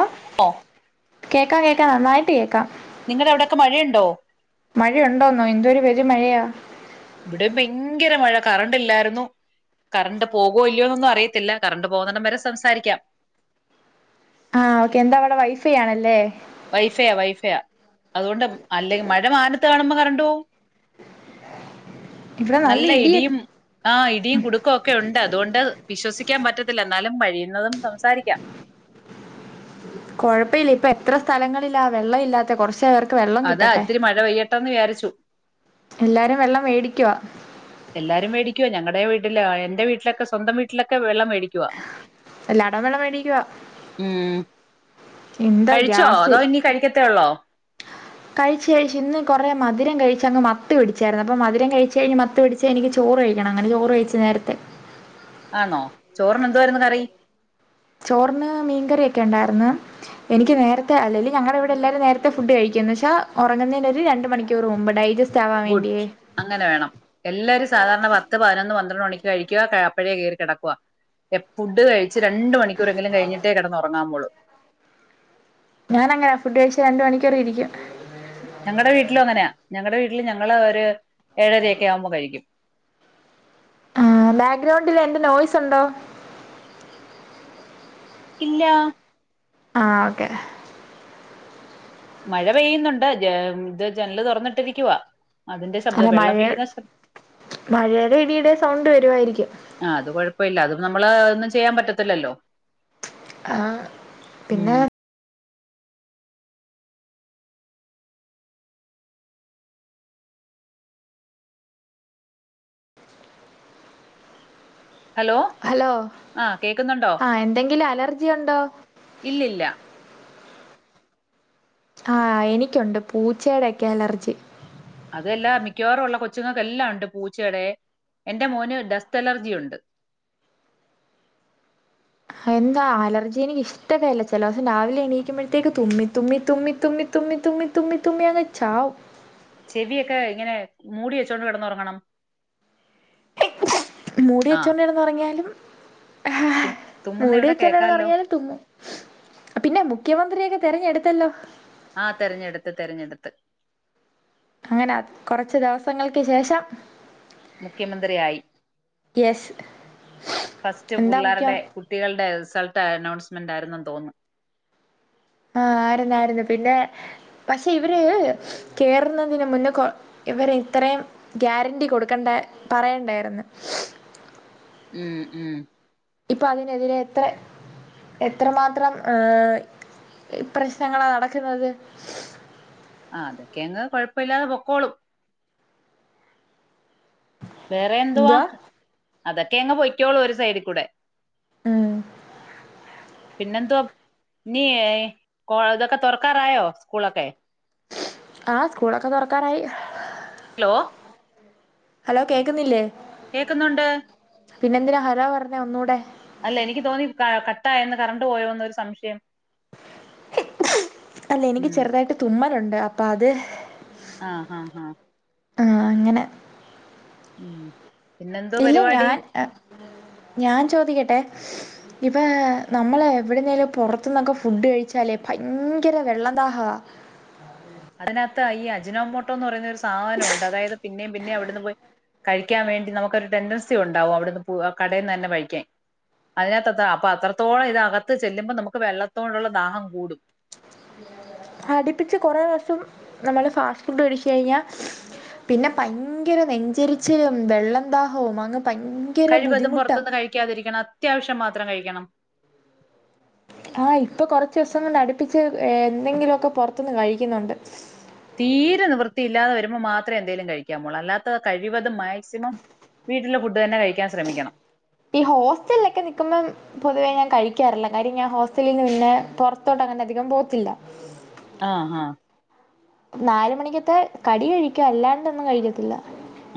ആഹ് പ്പോ കേക്കാം കേക്കാ നന്നായിട്ട് കേക്കാം നിങ്ങടെ അവിടെയൊക്കെ മഴയുണ്ടോ മഴയുണ്ടോന്നോ എന്തൊരു പെരു മഴയാ ഇവിടെ ഭയങ്കര മഴ കറണ്ട് ഇല്ലായിരുന്നു കറണ്ട് പോകോ ഇല്ലയോന്നൊന്നും അറിയത്തില്ല കറണ്ട് പോകുന്നണ്ടം വരെ സംസാരിക്കാം ആഹ് ഓക്കെ എന്താ അവിടെ വൈഫയ് ആണല്ലേ വൈഫയ വൈഫയ അതുകൊണ്ട് അല്ലെങ്കിൽ മഴ മാനത്ത് കാണുമ്പോ കറണ്ടുപോവും ഇവിടെ നല്ല ഇടിയ ഇടിയും ആഹ് ഇടിയും കുടുക്കും ഒക്കെ ഉണ്ട് അതുകൊണ്ട് വിശ്വസിക്കാൻ പറ്റത്തില്ല എന്നാലും വഴിയുന്നതും സംസാരിക്കാം കുഴപ്പല്ല ഇപ്പ എത്ര സ്ഥലങ്ങളില്ല വെള്ളം ഇല്ലാത്ത കുറച്ച പേർക്ക് വെള്ളം അതാ കിട്ടട്ടെ ഇത്തിരി മഴ പെയ്യട്ടെന്ന് വിചാരിച്ചു എല്ലാരും വെള്ളം മേടിക്കവാ എല്ലാരും മേടിക്കോ ഞങ്ങള വീട്ടില് എന്റെ വീട്ടിലൊക്കെ സ്വന്തം വീട്ടിലൊക്കെ വെള്ളം മേടി എല്ലാടം വെള്ളം മേടിക്കുവാ ഉം എന്താ കഴിച്ചോ ഗ്യാസ് അതോ ഇനി കഴിക്കത്തേ ഉള്ളോ കഴിച്ച് കഴിച്ച് ഇന്ന് കുറെ മധുരം കഴിച്ച അങ് മത്ത് പിടിച്ചരുന്നു അപ്പൊ മധുരം കഴിച്ച കഴിഞ് മത്ത് പിടി ച്ച എനിക്ക് ചോറ് കഴിക്കണം അങ്ങനെ ചോറ് കഴിച്ച് നേരത്തെ ആണോ ചോറിന എന്തോയിരുന്നു കറി ചോറിന് മീൻകറിയൊക്കെ ഉണ്ടായിരുന്നു എനിക്ക് നേരത്തെ അല്ലെ ഞങ്ങളുടെ ഇവിടെ എല്ലാവരും നേരത്തെ ഫുഡ് കഴിക്കും എന്ന് വച്ചാ ഉറങ്ങുന്നതിന് ഒരു രണ്ട് മണിക്കൂർ മുമ്പ് ഡൈജസ്റ്റ് ആവാൻ ഗുഡ് വേണ്ടിയേ. അങ്ങനെ വേണം എല്ലാരും സാധാരണ പത്ത് പതിനൊന്ന് പന്ത്രണ്ട് മണിക്ക് കഴിക്കുവ അപ്പയെ കയറി കിടക്കുവ എ ഫുഡ് കഴിച്ച് രണ്ട് മണിക്കൂറെ എങ്കിലും കഴിഞ്ഞിട്ടേ കിടന്നുറങ്ങാമ്മൊളൂ ഞാനങ്ങനെ ഫുഡ് കയിച് രണ്ട് മണിക്കൂറി ഇരിക്കും ഞങ്ങടെ വീട്ടിലും അങ്ങനെയാ ഞങ്ങടെ വീട്ടില് ഞങ്ങളൊരു ഏഴരയൊക്കെ ആവുമ്പോ കഴിക്കും ആ ബാക്ക്ഗ്രൗണ്ടിൽ എന്റെ നോയ്സ് ഉണ്ടോ ഇല്ല ആഹ് ഓക്കേ മഴ പെയ്യുന്നുണ്ട് ജ ഇത് ജെനല് തുറന്നിട്ടിരിക്കുവ അല്ല മഴ മഴയുടെ ഇടിടെ സൗണ്ട് വരുവായിരിക്കും ആഹ് അത് കൊഴപ്പഇല്ല അത് നമ്മള് ഒന്നും ചെയ്യാൻ പറ്റത്തില്ലല്ലോ ആഹ് പിന്നെ ഉം ഹലോ ഹലോ ആ കേക്കുന്നുണ്ടോ ആ എന്തെങ്കിലും അലർജി ഉണ്ടോ ഇല്ലില്ല ആഹ് എനിക്കുണ്ട് പൂച്ചയുടെക്കെ അലർജി അതെല്ലാം മിക്കവാറുള്ള കൊച്ചുങ്ങൾക്കല്ലാം ഉണ്ട് പൂച്ചയുടെ എന്റെ മോന് ഡസ്ത് അലർജി ഉണ്ട് എന്താ അലർജി എനിക്ക് ഇഷ്ടേല്ല ചില ദിവസം രാവിലെ എണീക്കുമ്പോഴത്തേക്ക് തുമ്മി തുമ്മി തുമ്മി തുമ്മി തുമ്മി തുമ്മി തുമ്മി തുമ്മി അങ്ങ് ചാവും ചെവിയൊക്കെ ഇങ്ങനെ മൂടി വെച്ചോണ്ട് കിടന്നുറങ്ങണം മൂടി ആഹ് വെച്ചോണ്ട് കെടന്നുറങ്ങിയാലും തു തുമ്മുന്ന മൂടി ഇവിടെ കേക്കാല്ലോ വെച്ചെണ്ടണറങ്ങിയാലും തുമ്മും പിന്നെ മുഖ്യമന്ത്രിയൊക്കെ തിരഞ്ഞെടുത്തല്ലോ ആഹ് തെരഞ്ഞെടുത്ത് തതിരഞ്ഞെടുത്ത് അങ്ങനെ കുറച്ച് ദിവസങ്ങൾക്ക് ശേഷം മുഖ്യമന്ത്രിയായി യെസ് ഫസ്റ്റ് എന്താ മുഖ്യ പിള്ളാരുടെ കു കുട്ടികളുടെ റിസൾട്ട് അനൗൺസ്മെന്റ് ആരുന്നെന്ന് തോന്നുന്നു ആഹ് ആരുന്നായിരുന്നു പിന്നെ പക്ഷെ ഇവര് കേറുന്നതിന് മുന്നേ കൊ ഇവർ ഇത്രയും ഗ്യാരന്റിി കൊടുക്കണ്ട പറയണ്ടായിരുന്നു ഉം ഉം ഇപ്പൊ അതിനെതിരെ എത്ര എത്രമാത്രം ഏഹ് പ്രശ്നങ്ങളാ നടക്ക്ന്നത്. ആഹ് അതൊക്കെ അങ്ങ് കൊഴപ്പില്ലാതെ പൊക്കോളും. വേറെ എന്തുവാ? അതൊക്കെ എങ്ങ് പൊയ്ക്കോളു ഒരു സൈഡി കൂടെ. ഉം പിന്നെന്തുവാ? നീ കോ ഇതൊക്കെ തൊറക്കാറായോ സ്കൂളൊക്കെ? ആഹ് സ്കൂളൊക്കെ തൊറക്കാറായി. ഹലോ ഹലോ കേക്ക്ന്നില്ലേ? കേക്കുന്നുണ്ട്. പിന്നെന്തിനാ ഹലോ പറഞ്ഞത് ഒന്നൂടെ? അല്ല എനിക്ക് തോന്നി കട്ടായെന്ന്. കറണ്ട് പോയോന്നൊരു സംശയം. അല്ല എനിക്ക് ഉം ചെറുതായിട്ട് തുമ്മലുണ്ട്. അപ്പൊ അത് ആഹ് ആഹ് ആഹ്. ആഹ് അങ്ങനെ. ഉം പിന്നെന്തോ ഇല്ല. പരിപാടി ഞാൻ ഞാൻ ചോദിക്കട്ടെ? ഇപ്പ നമ്മള് എവിടെന്നേലും പൊറത്തുന്നൊക്കെ ഫുഡ് കഴിച്ചാലേ ഭയങ്കര വെള്ളം ദാഹവാ. അതിനകത്ത് ഈ അജിനോമോട്ടോ എന്ന് പറയുന്ന ഒരു സാധനണ്ട്. അതായത് പിന്നേം പിന്നേ അവിടുന്ന് പോയി. കഴിക്കാൻ വേണ്ടി നമുക്കൊരു ടെൻഡൻസി ഉണ്ടാവും. അവിടുന്ന് കടെന്ന് തന്നെ കഴിക്കാൻ അതിനകത്ത്ത്താ അപ്പൊ അത്രത്തോളം ഇത് അകത്ത് ചെല്ലുമ്പൊ നമുക്ക് വെള്ളത്തോടുള്ള ദാഹം കൂടും. അടിപ്പിച്ച് കൊറെ ദിവസം നമ്മള് ഫാസ്റ്റ് ഫുഡ് കഴിച്ച് കഴിഞ്ഞാ. പിന്നെ ഭയങ്കര നെഞ്ചരിച്ചിലും വെള്ളം ദാഹവും അങ്ങ് ഭയ കഴിവതും പൊറത്ത്ന്ന് കഴിക്കാതിരിക്കണം. അത്യാവശ്യം മാത്രം കഴിക്കണം. ആഹ് ഇപ്പൊ കൊറച്ച്സം കൊണ്ട് അടുപ്പിച്ച് എന്തെങ്കിലൊക്കെ പൊറത്ത്ന്ന് കഴിക്കുന്നുണ്ട്. തീരെ നിവൃത്തിയില്ലാതെ വരുമ്പോ മാത്രേ എന്തേലും കഴിക്കാം മോളെ. അല്ലാത്ത കഴിവതും മാക്സിമം. വീട്ടിലെ ഫുഡ് തന്നെ കഴിക്കാൻ ശ്രമിക്കണം. ഈ ഹോസ്റ്റലിലൊക്കെ നിക്കുമ്പം. പൊതുവേ ഞാൻ കഴിക്കാറില്ല. കാര്യം ഞാൻ ഹോസ്റ്റലിന്ന് പിന്നെ പൊറത്തോട്ട് അങ്ങനെ അധികം പോകത്തില്ല. ആഹ് ആഹ്. നാല് മണിക്കത്തെ കടി കഴിക്കാ. അല്ലാണ്ടൊന്നും കഴിക്കത്തില്ല.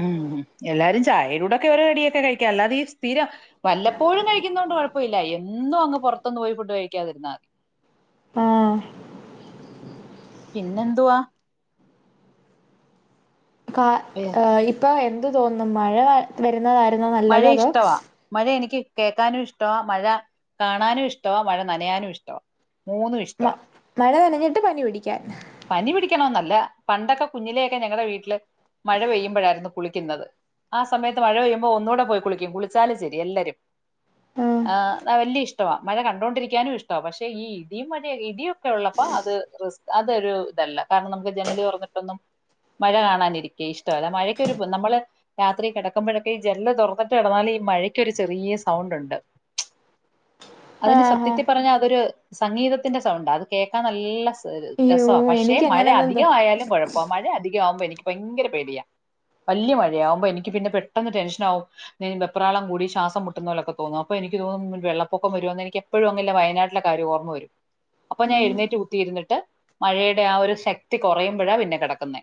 ഉം. എല്ലാരും ചായയിലൂടെക്കെ ഒരു കടിയൊക്കെ കഴിക്കാം. അല്ലാതെ ഈ സ്ഥിരം. വല്ലപ്പോഴും കഴിക്കുന്നോണ്ട് കൊഴപ്പൊയില്ല. എന്നും അങ്ങ് പൊറത്തുന്ന് പോയി ഫുഡ് കഴിക്കാതിര്ന്നാ മതി. ആഹ്. പിന്നെന്തുവാ? കാ ഏ, ഇപ്പൊ എന്ത് തോന്നും. മഴ വരുന്നതാ മഴ ഇഷ്ടവാ. മഴ എനിക്ക് കേക്കാനും ഇഷ്ടവാ. മഴ കാണാനും ഇഷ്ടവാ. മഴ നനയാനും ഇഷ്ടവാ. മൂന്നും ഇഷ്ടവാ. മഴ നനഞ്ഞിട്ട് പനി പിടിക്കാൻ. പനി പിടിക്കണോന്നല്ല. പണ്ടൊക്കെ കുഞ്ഞിലെയൊക്കെ ഞങ്ങടെ വീട്ടില് മഴ പെയ്യുമ്പോഴായിരുന്നു കുളിക്കുന്നത്. ആ സമയത്ത് മഴ പെയ്യുമ്പോ ഒന്നൂടെ പോയി കുളിക്കും കുളിച്ചാലും ശരി എല്ലരും ആഹ് ന്ന വല്യ ഇഷ്ടവാ. മഴ കണ്ടോണ്ടിരിക്കാനും ഇഷ്ടാ പക്ഷേ ഈ ഇടി മഴ ഇടിയൊക്കെ ഉള്ളപ്പോ അത് റി അത് ഒരു ഇതല്ല കാരണം നമുക്ക് ജനല് തൊറന്നിട്ടൊന്നും മഴ കാണാനിരിക്കെ ഇഷ്ടമല്ല മഴക്കൊരു നമ്മള് രാത്രി കെടക്കുമ്പഴൊക്കെ ഈ ജനല് തൊറന്നിട്ട് കെടന്നാല് ഈ മഴക്കൊരു ചെറിയ സൗണ്ട്ണ്ട്. അതിന് ആഹാ സത്യത്തി പറഞ്ഞാ അതൊരു സംഗീതത്തിന്റെ സൗണ്ടാ അത് കേക്കാൻ നല്ല സ്വ അയ്യോ രസാ പക്ഷേ മഴ എനിക്കങ്ങനെന്തോ അധികായാലും കൊഴപ്പ മഴ അധികാവുമ്പോ എനിക്ക് ഭയങ്കര പേടിയാ വല്യ മഴയാവുമ്പോ എനിക്ക് പിന്നെ പെട്ടെന്ന് ടെൻഷനാവും വെപ്രാളം കൂടി ശ്വാസം മുട്ടുന്നോലൊക്കെ തോന്നും. അപ്പൊ എനിക്ക് തോന്നും വെള്ളപ്പൊക്കം വരോന്ന് എനിക്ക് എപ്പഴും അങ്ങ്ല്ല വയനാട്ട്ലെ കാര്യം ഓർമ്മ വരും അപ്പൊ ഞാൻ എുന്നേറ്റ് കുത്തിയിരുന്നിട്ട്. മഴയുടെ ആ ഒരു ശക്തി കൊ റയുമ്പഴാ പിന്നെ കെടക്കുന്നെ.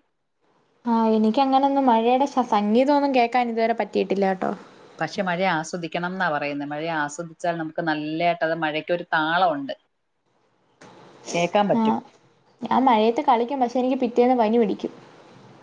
ആഹ് എനിക്കങ്ങനൊന്നും മഴയുടെ സ സംഗീതൊന്നു കേക്കാൻ ഇതുവരെ പറ്റിയിട്ടില്ലാട്ടോ. പക്ഷേ മഴ ആസ്വദിക്കണംന്നാ പറയുന്നെ മഴയെ ആസ്വാദിച്ചാൽ നമുക്ക് നല്ലായിട്ട് അത് മഴക്കൊരു താളൊണ്ട്. കേക്കാൻ പറ്റും. ആഹ് ഞാൻ മഴയത്ത് കളിക്കും പക്ഷേ എനിക്ക് പിറ്റേന്ന് പനി പിടിക്കും.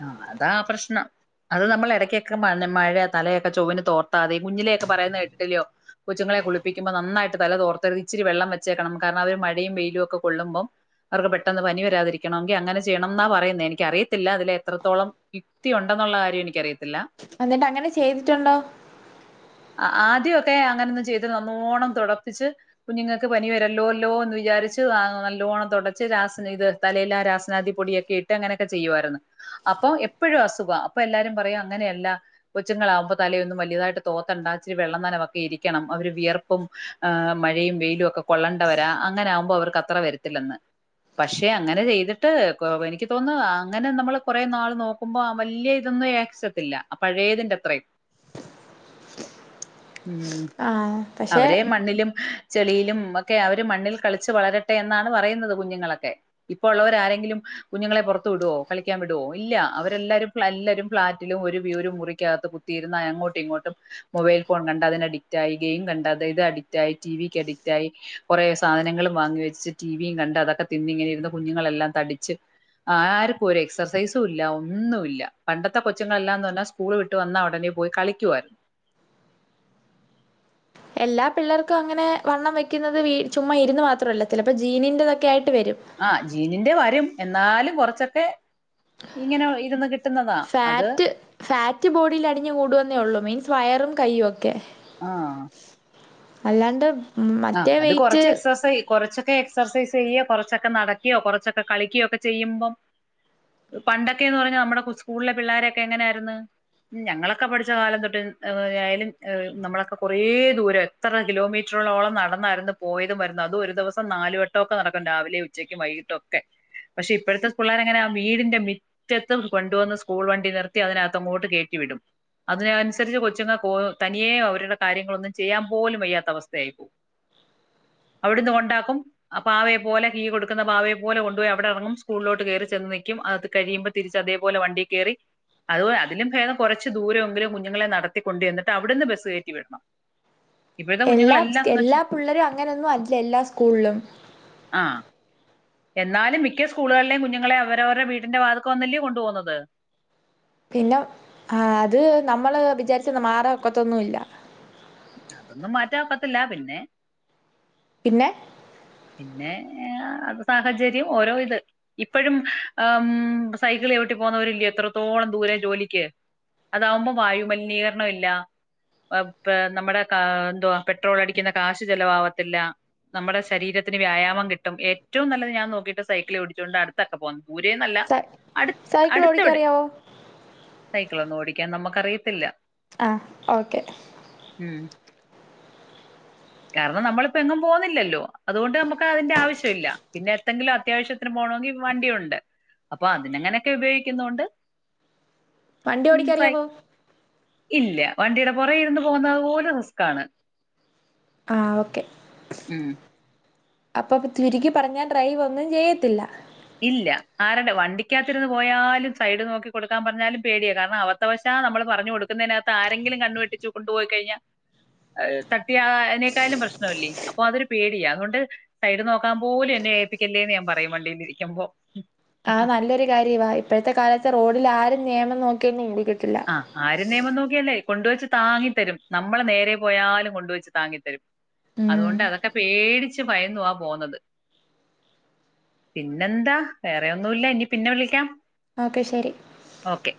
ആഹ് അതാ പ്രശ്നം. അത് നമ്മള് എടയ്ക്കൊക്കെ മന മഴ തലയൊക്കെ ചൊവ്ന് തോർത്താതയും കുഞ്ഞിലൊക്കെ പറയുന്ന കേട്ടിട്ടില്ലിയോ? കൊച്ചുങ്ങളെ കുളിപ്പിക്കുമ്പോ നന്നായിട്ട് തല തോർത്തര് ഇച്ചിരി വെള്ളം വച്ചേക്കണം കാരണം അവര് മഴയും വെയിലു ഒക്കെ കൊള്ളുമ്പം അവർക്ക് പെട്ടെന്ന് പനി വരാതിരിക്കണങ്കിൽ അങ്ങനെ ചെയ്യണംന്നാ പറയുന്നേ എനിക്കറിയത്തില്ല അതിലെ എത്രത്തോളം യുക്തി ഉണ്ടെന്നുള്ള കാര്യം എനിക്കറിയത്തില്ല. അന്നിട്ട് അങ്ങനെ ചെയ്തിട്ടുണ്ടോ? അഹ് ആദ്യക്കെ അങ്ങനൊന്നു ചെയ്ത് നന്നോണം തൊടപ്പിച്ച് കുഞ്ഞുങ്ങൾക്ക് പനി വരല്ലോല്ലോ എന്ന് വിചാരിച്ച് [unintelligible] നല്ലോണം തൊടച്ച് രാസനയ്ത് തലയിലാ രാസനാദി പൊടിയൊക്കെ ഇട്ട് അങ്ങനൊക്കെ ചെയ്യുവാരൂന്ന്. അപ്പൊ എപ്പഴും അസുഖ അപ്പൊ എല്ലാരും പറയും അങ്ങനെയല്ല കൊച്ചുങ്ങളാവുമ്പോ തലയൊന്നും വലിയതായിട്ട് തോത്തണ്ട ച്ചിരി വെള്ളം നനവൊക്കെ ഇരിക്കണം. അവര് വിയർപ്പും ആഹ് മഴയും വെയിലൊക്കെ കൊള്ളേണ്ടവരാ അങ്ങനെ ആവുമ്പോ അവർക്ക് അത്ര വരത്തില്ലെന്ന്. പക്ഷേ അങ്ങനെ ചെയ്തിട്ട് കൊ എനിക്ക് തോന്നുന്നു അങ്ങനെ നമ്മള് കുറെ നാൾ നോക്കുമ്പോ ആ വല്ല്യ ഇതൊന്നും ഏക്സതില്ല ആ പഴയതിന്റെ അത്രം. ഉം ആഹ് പക്ഷെ അവരെ മണ്ണിലും ചെളിയിലും മൊക്കെ അവര് മണ്ണിൽ കളിച്ച് വളരട്ടെ എന്നാണ് പറയുന്നത് കുഞ്ഞുങ്ങളൊക്കെ. ഇപ്പ ഉള്ളവരാരെങ്കിലും കുഞ്ഞുങ്ങളെ പൊറത്തു വിടോ കളി ക്കാൻ വിടോ ഇല്ല അവരെല്ലാരും എല്ലാരും ഫ്ലാറ്റിലും ഒരു വ്യൂരും മുറിക്കകത്ത് കുത്തിയിരുന്ന അങ്ങോട്ടു ഇങ്ങോട്ടും മൊബൈൽ ഫോൺ കണ്ട അതിനഡിക്റ്റായി ഗെയിം കണ്ടാതെ ഇത് അഡിക്റ്റായി ടി വിക്ക് അഡിക്റ്റായി കൊറേ സാധനങ്ങളും വാങ്ങി വെച്ച് ടി വിയും കണ്ട് അതൊക്കെ തിന്നിങ്ങനെ ഇരുന്ന് കുഞ്ഞുങ്ങളെല്ലാം തടിച്ച് ആര്ക്കോരെസ് സൈസുല്ല ഒന്നുല്ല പണ്ടത്തെ കൊച്ചങ്ങളെല്ലാംന്ന് പറഞ്ഞാ സ്കൂൾ വിട്ട് വന്നാ ഉടനെ പോയി കളിക്കുവായിരുന്നു. എല്ലാ പിള്ളേർക്കും അങ്ങനെ വണ്ണം വയ്ക്കുന്നത് വീ ചുമ്മാ ഇരുന്ന് മാത്രമല്ല ചിലപ്പോൾ ജീനിൻ്റതൊക്കെ ആയിട്ട് വരും. ആഹ് ജീനിന്റെ വരും എന്നാലും കൊറച്ചൊക്കെ ഇങ്ങനെ ഇരുന്ന് കി ഫാറ്റ് ഫാറ്റ് ബോഡില് അടിഞ്ഞ് കൂടുവന്നേ ഉള്ളൂ മീൻസ് വയറും കൈയ്യൊക്കെ. ആഹ് അല്ലാണ്ട് ആഹ് മറ്റേ അത് വെയ്റ്റ്. കൊറച്ച് എക്സസൈ കൊറച്ചൊക്കെ എക്സർസൈസ് ചെയ്യോ കൊറച്ചൊക്കെ നടക്കുയോ കൊറച്ചൊക്കെ കളിക്കിയോ ഒക്കെ ചെയ്യുമ്പം. പണ്ടൊക്കേന്ന് പറഞ്ഞാൽ നമ്മുടെ കു സ്കൂളിലെ പിള്ളാരൊക്കെ എങ്ങനായിരുന്നു? ഞങ്ങളൊക്കെ പഠിച്ച കാലം തൊട്ട് ആഹ് ആയിലും ഏഹ് നമ്മളൊക്കെ കുറെ ദൂരം എത്ര കിലോമീറ്ററോള്ളോളം. നടന്നായിരുന്നു പോയതും വരുന്നു അതും ഒരു ദിവസം നാലുവട്ടൊക്കെ നടക്കും, രാവിലെ ഉച്ചക്കും വൈകിട്ട് ഒക്കെ. പക്ഷെ ഇപ്പോഴത്തെ പുള്ളേരെ എങ്ങനെ ആഹ് വീടിന്റെ മി റ്റത്തും കൊണ്ടു വന്ന് സ്കൂൾ വണ്ടി നിർത്തി അതിനകത്തങ്ങോട്ട് കയറ്റി വിടും. അതിനനുസരിച്ച് കൊച്ചുങ്ങൾക്ക് പോ തനിയേ അവരുടെ കാര്യങ്ങളൊന്നും ചെയ്യാൻ പോലും വയ്യാത്ത അവസ്ഥയായി പോവും. അവിടുന്ന് കൊണ്ടാക്കും. ആഹ് പാവയെ പോലെ കീ കൊടുക്കുന്ന പാവയെ പോലെ കൊണ്ടുപോയി അവിടെ ഇറങ്ങും സ്കൂളിലോട്ട് കയറി ചെന്നു നിക്കും, അകത്ത് കഴിയുമ്പോള്. തിരിച്ച് അതേപോലെ വണ്ടിയെ കേറി. അത് പോ അതിലു ഭേദം കൊറച്ച് ദൂരെങ്കിലും കുഞ്ഞുങ്ങളെ നടത്തിക്കൊണ്ടു ചെന്നിട്ട് അവിടുന്ന് ബസ് കയറ്റി വിടണം. ഇപ്പോഴത്തെ കുഞ്ഞുങ്ങളെല്ലാന്ന് വെച്ചാ. പിള്ളരും അങ്ങനെയെന്നും അല്ല എല്ലാ സ്കൂളും. ആഹ് എന്നാലും മിക്ക സ്കൂളുകളിലും കുഞ്ഞുങ്ങളെ അവരവരുടെ വീട്ടിന്റെ വാതുക്കെ വന്നല്ലേ കൊണ്ടു പോകുന്നത്. പിന്നം ആഹ് അത് നമ്മള് വിചാരിച്ച മാറാ ഒക്കത്തൊന്നുല്ല. അതൊന്നും മാറ്റാൻ ഒക്കത്തില്ല പിന്നെ. പിന്നെ പിന്നെ ഏഹ് സാഹചര്യം ഓരോ ഇത്. ഇപ്പോഴും ആഹ് സൈക്കിള് ചവിട്ടി പോന്നവർ ഇല്ല്യേ എത്രത്തോളം ദൂരെ ജോലിക്ക്. അതാകുമ്പോ വായുമലിനീകരണം ഇല്ല. അപ് പേ നമ്മുടെ കാ എന്തുവാ പെട്രോൾ അടിക്കുന്ന കാശ് ചിലവ് ആകത്തില്ല. നമ്മുടെ ശരീരത്തിന് വ്യായാമം കിട്ടും, ഏറ്റവും നല്ലത് ഞാൻ നോക്കിട്ട് സൈക്കിള് ഓടിച്ചോണ്ട് അടുത്തൊക്കെ പോവാം. ദൂരെന്ന് അല്ല സ അടു സൈക്കിൾ അടുത്ത ഓടിക്കാൻ ഇവിടെ. അറിയാവോ സൈക്കളിയെന്നും ഓടിക്കാൻ നമുക്ക് അറിയത്തില്ല. ആഹ് ഓക്കേ. ഉം കാരണം നമ്മള് ഇപ്പൊ എങ്ങും പോന്നില്ലല്ലോ, അതുകൊണ്ട് നമുക്ക് അതിന്റെ ആവശ്യവില്ല പിന്നെ എന്തെങ്കിലും അത്യാവശ്യം. പിന്നെ പോണോങ്കിൽ വണ്ടിയുണ്ട്, അപ്പൊ അതിന് അങ്ങനെ ഒക്കെ ഉപയോഗിക്കുന്നെണ്ട്. വണ്ടി ഓടിക്കാൻ അറിയാവോ? ഇല്ല വണ്ടിയുടെ പുറകിൽ ഇരുന്ന് പോകുന്നതുപോലും റിസ്ക് ആണ്. ആഹ് ഓക്കേ ഉം അപ്പൊ ചുരുക്കി പറഞ്ഞാൽ ഡ്രൈവ് ഒന്നും ചെയ്യത്തില്ല. ഇല്ല ആരുടെ വണ്ടിയ്ക്കാത്തിരുന്ന് പോയാലും സൈഡ് നോക്കി കൊടുക്കാൻ പറഞ്ഞാലും പേടിയാ, കാരണം അവർ. അപത്തവശാൽ നമ്മള് പറഞ്ഞു കൊടുക്കുന്നതിനകത്ത് ആരെങ്കിലും കണ്ണ് വെട്ടിച്ച് കൊണ്ടുപോയി കഴിഞ്ഞാൽ. ഏഹ് തട്ടിയ ആഹ് അയിനേക്കാലും പ്രശ്നവല്ലേ, അപ്പൊ അതൊരു പേടിയാ അതുകൊണ്ട്. സൈഡ് നോക്കാൻ പോലും എന്നെ ഏൽപ്പിക്കല്ലേന്ന് ഞാൻ പറയും വണ്ടിലിരിക്കുമ്പോ. ആഹ് നല്ലൊരു കാര്യവാ ഇപ്പോഴത്തെ കാലത്ത് റോഡിൽ ആരും നിയമം നോക്കിയൊന്നും ഓടിക്കത്ത ആഹ് ആരും നിയമം നോക്കിയല്ലേ കൊണ്ടുവെച്ച് താങ്ങിത്തരും നമ്മള് നേരെ പോയാലും കൊണ്ടുവച്ച് താങ്ങിത്തരും. ഉം അതുകൊണ്ട് അതൊക്കെ പേടിച്ച് ഭയനുവാ പോന്നത്. പിന്നെന്താ വേറെ ഒന്നുവില്ല ഇനി പിന്നെ വിളിക്കാം. ഓക്കേ ശരി ഓക്കേ